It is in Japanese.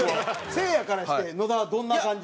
せいやからして野田はどんな感じ？